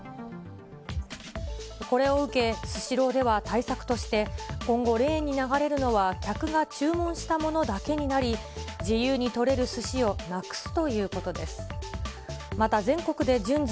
これを受け、スシローでは対策として、今後、レーンに流れるのは客が注文したものだけになり、自由に取れるすしをなくすということです。